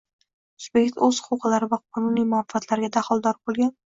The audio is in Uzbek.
Subyekt o‘z huquqlari va qonuniy manfaatlariga daxldor bo‘lgan